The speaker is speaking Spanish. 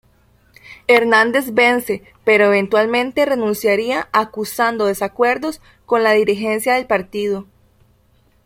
Hernández vence, pero eventualmente renunciaría acusando desacuerdos con la dirigencia del partido.